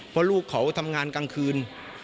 เพราะลูกเขาทำงานกลางคืน